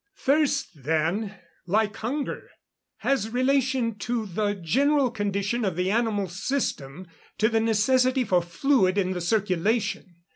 "Thirst, then, like hunger, has relation to the general condition of the animal system to the necessity for fluid in the circulation.